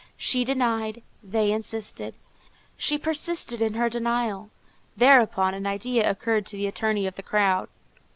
She denied; they insisted. She persisted in her denial. Thereupon an idea occurred to the attorney for the crown.